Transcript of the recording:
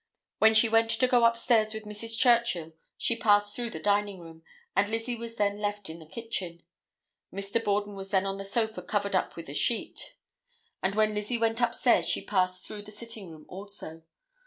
When she went to go upstairs with Mrs. Churchill she passed through the dining room, and Lizzie was then left in the kitchen. Mr. Borden was then on the sofa covered up with a sheet, and when Lizzie went upstairs she passed through the sitting room also.